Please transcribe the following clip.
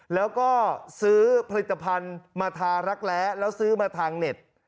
แล้วก็ซื้อผลิตภัณฑ์มาทารักแร้แล้วซื้อมาทางเน็ต